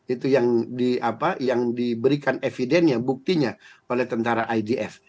itu yang diberikan evidennya buktinya oleh tentara idf